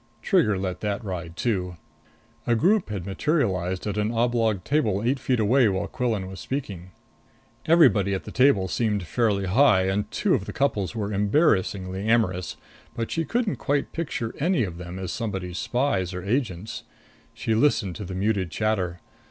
Trigger let that ride too. A group had materialized at an oblong table eight feet away while Quillan was speaking. Everybody at the table seemed fairly high, and two of the couples were embarrassingly amorous; but she couldn't quite picture any of them as somebody's spies or agents. She listened to the muted chatter.